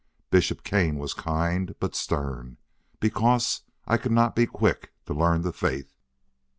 Bishop Kane was kind, but stern, because I could not be quick to learn the faith.